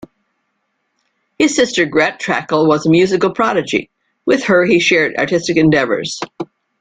His sister Grete Trakl was a musical prodigy; with her he shared artistic endeavors.